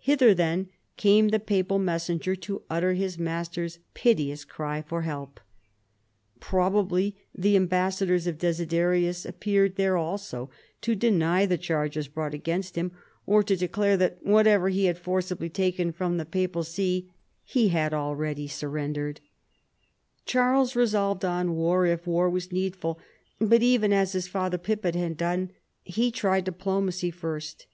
Hither, then, came the papal messenger to utter his master's piteous cry for help. Probably the ambassadors of Desiderius appeared there also to deny the charges brouo:ht against him, or to declare that whatever he had forcibly taken from the papal see he had already surrendered, Charles resolved on war if war was needful, but, even as his father Pippin had done, he tried diplomacy first.